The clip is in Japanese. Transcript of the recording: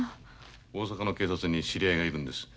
大阪の警察に知り合いがいるんです。